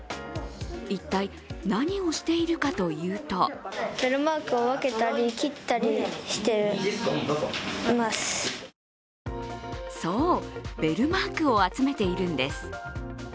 一体、何をしているかというとそう、ベルマークを集めているんです。